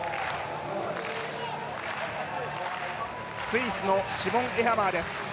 スイスのシモン・エハマーです。